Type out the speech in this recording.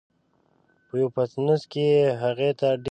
په یوه پتنوس کې یې هغه ته ډېر لیکونه راوړل.